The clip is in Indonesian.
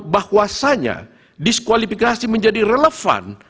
bahwasanya diskualifikasi menjadi relevan